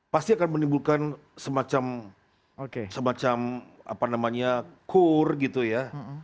pasti akan menimbulkan semacam apa namanya kur gitu ya